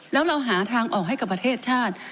แล้วเราหาทางออกให้กับประเทศชาติ